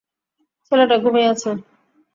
ছেলেটা ঘুমিয়ে আছে।